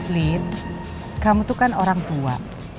lin kamu tuh kan orang tua